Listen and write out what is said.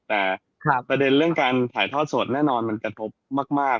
แต่ประเด็นเรื่องการถ่ายทอดสดแน่นอนมันกระทบมาก